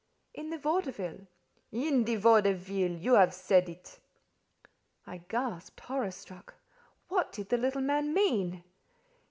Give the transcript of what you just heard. "In the vaudeville?" "In the vaudeville. You have said it." I gasped, horror struck. What did the little man mean?